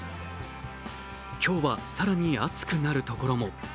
今日は更に暑くなるところも。